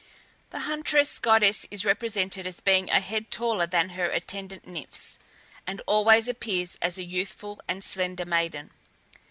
The huntress goddess is represented as being a head taller than her attendant nymphs, and always appears as a youthful and slender maiden.